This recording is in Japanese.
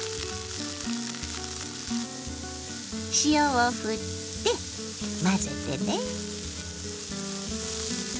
塩をふって混ぜてね。